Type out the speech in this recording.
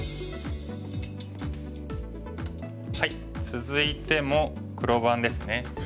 続いても黒番ですね。